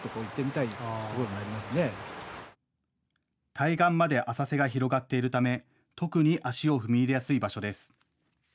対岸まで浅瀬が広がっているため特に足を踏み入れやすい場所です。